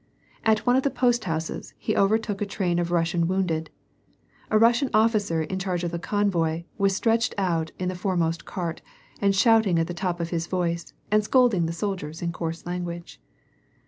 At one of the post houses, he overtook a train of Russian wounded. A Russian officer in charge of thetjonvoy was stretched out in the foremost cart, and shouting at the top of his voice, and scolding the soldiers in coarse language.